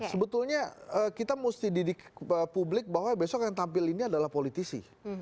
sebetulnya kita mesti didik publik bahwa besok yang tampil ini adalah politisi